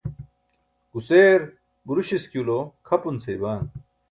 guseer buruśiskilo kʰapun seya baan.